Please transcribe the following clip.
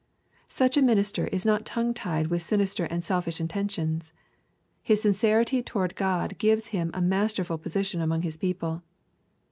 Such a minister is not tongue tied with sinister and selfish intentions. His sincerity toward God gives him a masterful position among his people.